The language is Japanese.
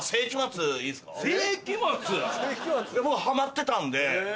「聖飢魔」⁉ハマってたんで。